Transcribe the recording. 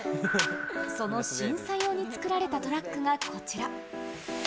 その審査用に作られたトラックがこちら。